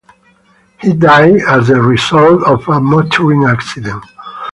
He died as the result of a motoring accident.